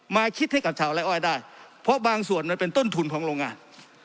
มาคิดให้กับชาวไร้อ้อยได้เพราะบางส่วนมันเป็นต้นทุนของโรงงาน